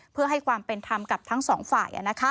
เพื่อให้ความเป็นธรรมกับทั้งสองฝ่าย